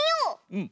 うん。